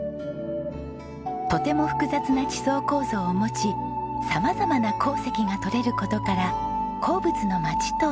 とても複雑な地層構造を持ち様々な鉱石がとれる事から「鉱物のまち」と呼ばれています。